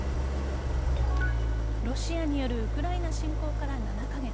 ロシアによるウクライナ侵攻から７カ月。